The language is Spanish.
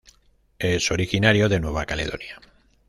Es originario de Nueva Caledonia.